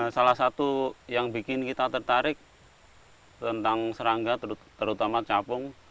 salah satu yang bikin kita tertarik tentang serangga terutama capung